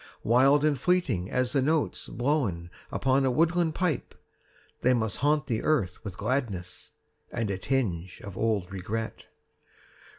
Wild and fleeting as the notes Blown upon a woodland pipe, 30 They must haunt the earth with gladness And a tinge of old regret.